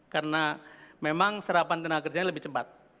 karena memang serapan tenaga kerja lebih cepat